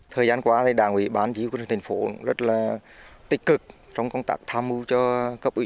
thời gian qua đảng ủy ban chỉ huy quân sự tp rất tích cực trong công tác tham mưu cho cấp ủy